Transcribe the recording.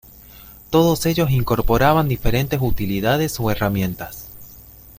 Todos ellos incorporaban diferentes utilidades o herramientas.